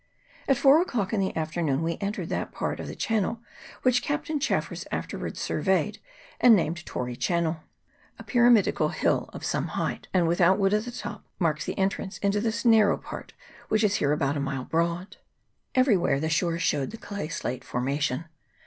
At four o'clock in the afternoon we entered that part of the channel which Captain Chaffers after wards surveyed, and named Tory Channel. A pyramid ical hill of some height, and without wood at the top, marks the entrance into this narrow part, which is here about a mile broad. Every where the shore showed the clay slate formation.